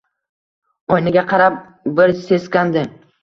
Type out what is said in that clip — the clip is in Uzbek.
Oynaga qarab, bir seskandi.